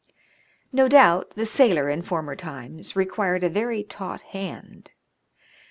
No doubt, the sailor, in former times, required a very taut hand.